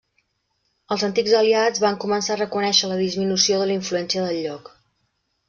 Els antics aliats van començar a reconèixer la disminució de la influència del lloc.